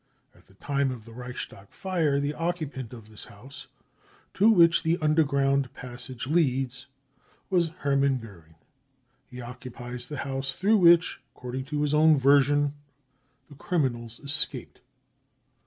At the time" of the Reichs tag fire the occupant of this house to which the under ground passage leads was Hermann Goering. He occupies the house through which, according to his own version the criminals escaped.